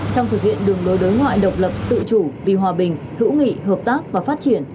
trong thực hiện đường lối đối ngoại độc lập tự chủ vì hòa bình hữu nghị hợp tác và phát triển